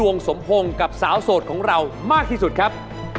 สมพงศ์กับสาวโสดของเรามากที่สุดครับ